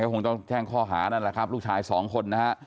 ก็คงต้องแจ้งข้อหานะแล้วครับลูกชาย๒คนนะฮะ